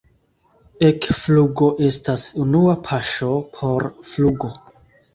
Ekflugo estas unua paŝo por flugo.